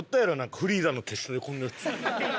フリーザの手下でこんなヤツ。